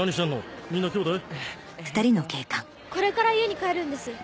これから家に帰るんです。